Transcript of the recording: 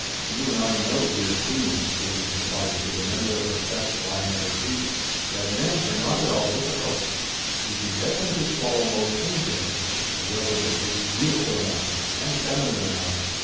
"You and I know, dear Queen," Katie confided to the member of her sex lying at her feet, "that men are not at all difficult. You can get them to swallow most anything if the girl in the case is beautiful enough. And feminine enough!